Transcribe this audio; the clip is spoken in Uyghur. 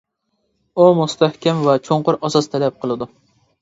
ئۇ مۇستەھكەم ۋە چوڭقۇر ئاساس تەلەپ قىلىدۇ.